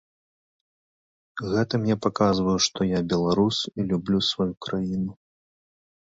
Гэтым я паказваю, што я беларус і люблю сваю краіну.